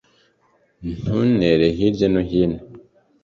ntuntere hirya no hino